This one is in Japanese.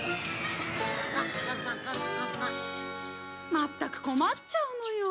まったく困っちゃうのよ。